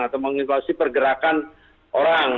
atau mengisolasi pergerakan orang